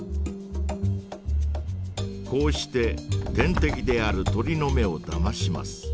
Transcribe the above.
こうして天敵である鳥の目をだまします。